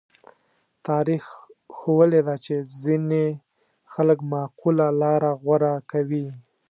تاریخ ښوولې ده چې ځینې خلک معقوله لاره غوره کوي.